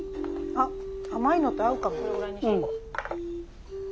あっ甘いのと合うかも。